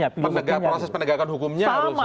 proses penegakan hukumnya harus